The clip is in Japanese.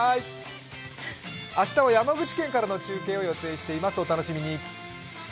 明日は山口県からの中継を予定しています、お楽しみに。